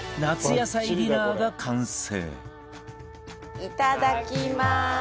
野菜ディナーが完成